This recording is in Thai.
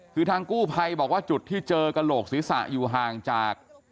คือทางกู้ภัยบอกว่าจุดที่เจอกระโหลกศีรษะอยู่ห่างจาก